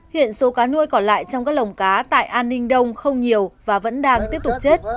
hiện số cá nuôi còn lại trong các lồng cá tại an ninh đông không nhiều và vẫn đang tiếp tục chết